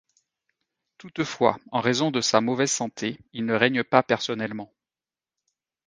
Toutefois, en raison de sa mauvaise santé, il ne règne pas personnellement.